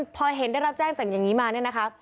พอเห็นได้รับแจ้งจากอย่างนี้มา